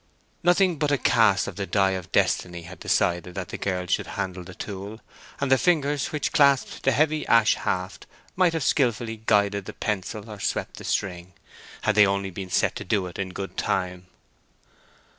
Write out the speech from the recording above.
Nothing but a cast of the die of destiny had decided that the girl should handle the tool; and the fingers which clasped the heavy ash haft might have skilfully guided the pencil or swept the string, had they only been set to do it in good time.